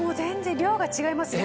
量が違いますね